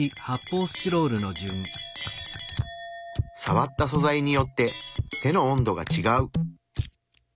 さわった素材によって手の温度がちがう。